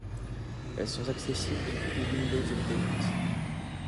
Elles sont accessibles depuis Windows Update.